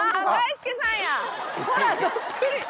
ほらそっくり！